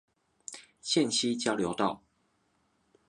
線西交流道